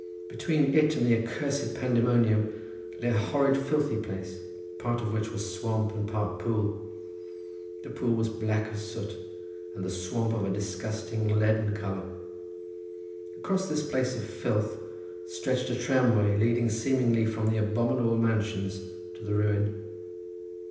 Between it and the accursed pandemonium, lay a horrid filthy place, part of which was swamp and part pool: the pool black as soot, and the swamp of a disgusting leaden colour. Across this place of filth stretched a tramway leading seemingly from the abominable mansions to the ruin.